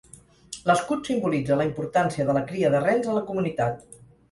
L'escut simbolitza la importància de la cria de rens a la comunitat.